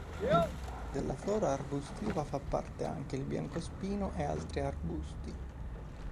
Della flora arbustiva fa parte anche il biancospino, e altri arbusti.